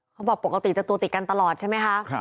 เขาบอกปกติจะตัวติดกันตลอดใช่ไหมครับ